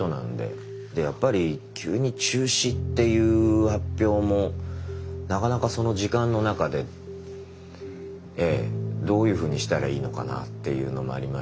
やっぱり急に中止っていう発表もなかなかその時間の中でどういうふうにしたらいいのかなっていうのもありましたし。